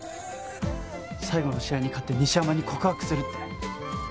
最後の試合に勝って西山に告白するって。